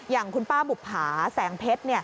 อย่างคุณป้าบุภาแสงเพชร